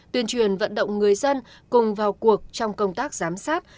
tuyên truyền vận động người dân cùng vào cuộc trong công tác giám sát